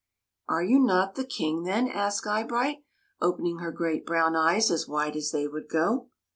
" Are you not the King, then ?" asked Eye bright, opening her great brown eyes as wide as they would go.